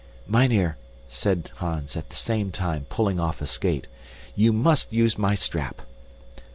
"Mynheer," said Hans, at the same time pulling off a skate, "you must use my strap!"